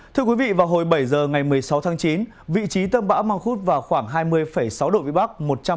thưa quý vị vào hồi bảy giờ ngày một mươi sáu tháng chín vị trí tâm bão mang khúc vào khoảng hai mươi sáu độ vĩ bắc